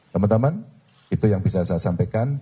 teman teman itu yang bisa saya sampaikan